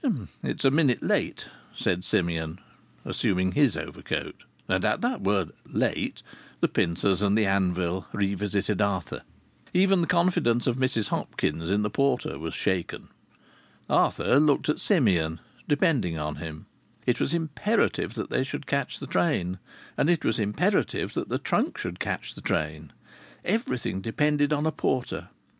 "It's a minute late," said Simeon, assuming his overcoat. And at that word "late," the pincers and the anvil revisited Arthur. Even the confidence of Mrs Hopkins in the porter was shaken. Arthur looked at Simeon, depending on him. It was imperative that they should catch the train, and it was imperative that the trunk should catch the train. Everything depended on a porter.